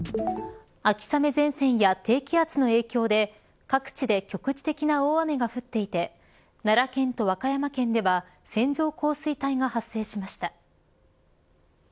秋雨前線や低気圧の影響で各地で局地的な大雨が降っていて奈良県と和歌山県では線状降水帯が発生しました。